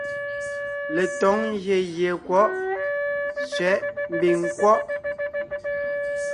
Letǒŋ ngyè gie è kwɔ̌ʼ ( sẅɛ̌ʼ mbiŋ nkwɔ́ʼ).